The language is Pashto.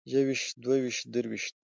يوويشت دوويشت درويشت